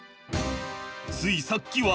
ついさっきは。